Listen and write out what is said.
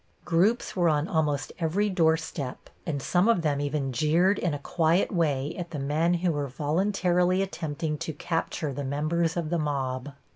Groups were on almost every doorstep, and some of them even jeered in a quiet way at the men who were voluntarily attempting to capture the members of the mob.